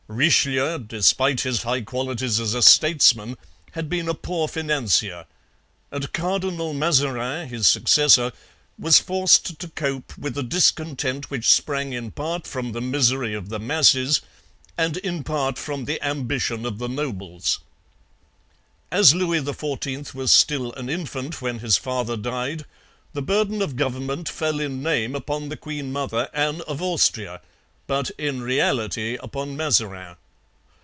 Richelieu, despite his high qualities as a statesman, had been a poor financier; and Cardinal Mazarin, his successor, was forced to cope with a discontent which sprang in part from the misery of the masses and in part from the ambition of the nobles. As Louis XIV was still an infant when his father died, the burden of government fell in name upon the queen mother, Anne of Austria, but in reality upon Mazarin.